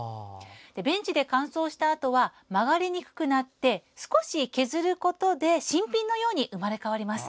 ベンチで乾燥したあとは曲がりにくくなって少し削ることで新品のように生まれ変わります。